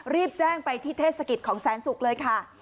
รีบแจ้งไปที่เทศกิจของแสนศุกร์เลยค่ะ